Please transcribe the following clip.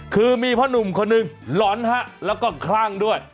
คือมีพ่อหนุ่มคนหนึ่งหลอนฮะแล้วก็คลั่งด้วย